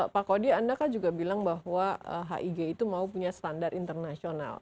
pak kody anda kan juga bilang bahwa hig itu mau punya standar internasional